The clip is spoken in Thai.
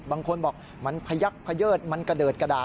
บางคนบอกมันพยักพะเยิดมันกระเดิดกระดาษ